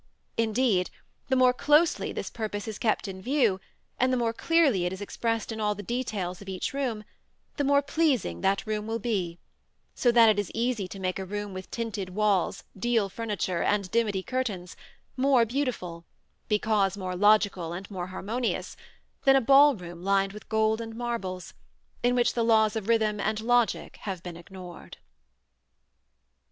Indeed, the more closely this purpose is kept in view, and the more clearly it is expressed in all the details of each room, the more pleasing that room will be, so that it is easy to make a room with tinted walls, deal furniture and dimity curtains more beautiful, because more logical and more harmonious, than a ball room lined with gold and marbles, in which the laws of rhythm and logic have been ignored.